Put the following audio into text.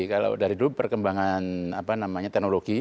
kalau dari dulu perkembangan teknologi